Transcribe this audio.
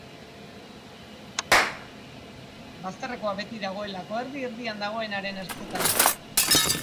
Bazterrekoa beti dagoelako erdi-erdian dagoenaren ertzetan.